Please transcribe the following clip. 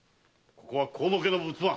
ここは河野家の仏間。